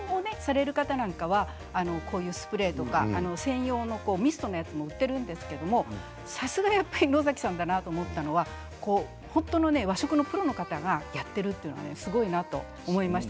減塩される方はスプレーとか専用のミストのやつも、売っているんですがさすが野崎さんだなと思ったのは本当に和食のプロの方がやっているというのはすごいなと思いました。